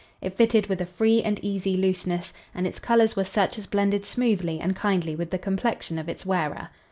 It fitted with a free and easy looseness and its colors were such as blended smoothly and kindly with the complexion of its wearer.